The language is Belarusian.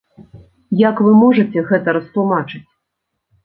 Як вы можаце гэта растлумачыць?